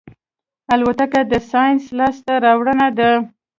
الوتکه د ساینس لاسته راوړنه ده.